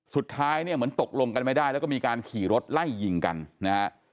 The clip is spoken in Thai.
สุดท้ายเนี่ยเหมือนตกลงกันไม่ได้แล้วก็มีการขี่รถไล่ยิงกันนะฮะ